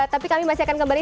tapi kami masih akan kembali